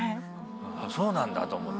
そうなんだと思って。